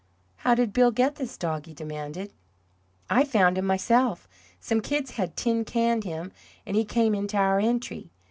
"How did Bill get this dog?" he demanded. "I found him myself. Some kids had tin canned him, and he came into our entry.